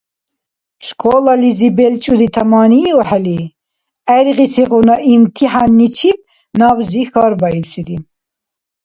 Школализиб белчӏуди таманиухӏели, гӏергъисигъуна имтихӏянничиб набзи хьарбаибсири: